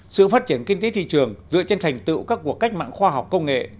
sự phát triển kinh tế thị trường dựa trên thành tựu các cuộc cách mạng khoa học công nghệ